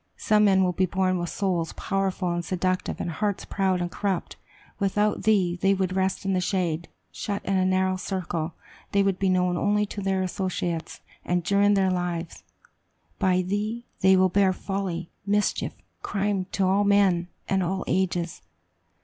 Some men will be born with souls powerful and seductive, and hearts proud and corrupt. Without thee, they would rest in the shade; shut in a narrow circle, they would be known only to their associates, and during their lives. By thee, they will bear folly, mischief, and crime to all men and all ages.